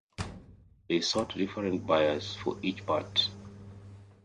They sought different buyers for each part.